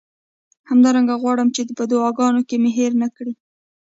همدارنګه غواړم چې په دعاګانو کې مې هیر نه کړئ.